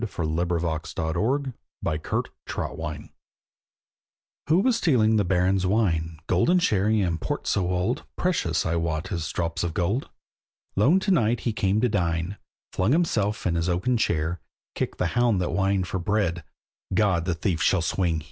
THE RAPE OF THE BARON'S WINE Who was stealing the Baron's wine, Golden sherry and port so old, Precious, I wot, as drops of gold? Lone to night he came to dine, Flung himself in his oaken chair, Kicked the hound that whined for bread; "God! the thief shall swing!"